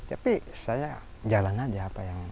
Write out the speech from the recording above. tapi saya jalan saja